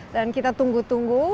dan kita tunggu tunggu